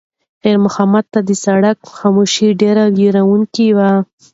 خیر محمد ته د سړک خاموشي ډېره وېروونکې وه.